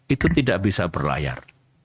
itu tidak bisa berlayar